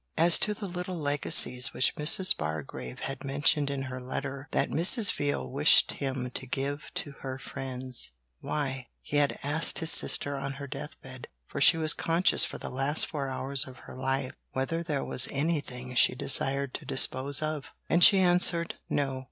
As to the little legacies which Mrs. Bargrave had mentioned in her letter that Mrs. Veal wished him to give to her friends, why, he had asked his sister on her death bed for she was conscious for the last four hours of her life whether there was anything she desired to dispose of, and she had answered no.